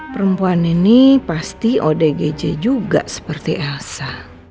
perempuan ini pasti odgj juga seperti elsa